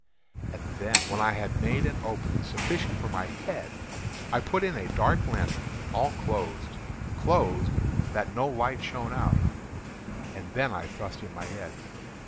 And then, when I had made an opening sufficient for my head, I put in a dark lantern, all closed, closed, that no light shone out, and then I thrust in my head.